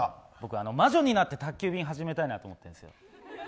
僕ね、魔女になって宅急便を始めたいなって思ってるんですよ。